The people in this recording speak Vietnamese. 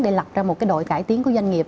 để lập ra một đội cải tiến của doanh nghiệp